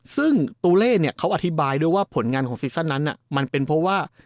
ซึ่งตูเล่เนี่ยเขาอธิบายด้วยว่าผลงานของซีซั่นนั้นมันเป็นเพราะว่า